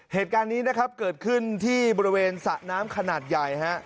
เหตุการณ์นี้นะครับเกิดขึ้นที่บริเวณสระน้ำขนาดใหญ่ฮะ